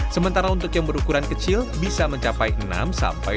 sementara untuk yang berukuran kecil bisa mencapai enam sampai